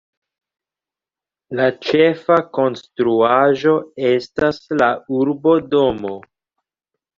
La ĉefa konstruaĵo estas la Urbodomo.